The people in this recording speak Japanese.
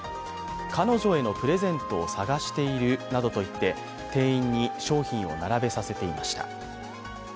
彼女へのプレゼントを探しているなどと言って店員に商品を並べさせていました。